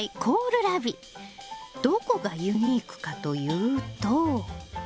どこがユニークかというと。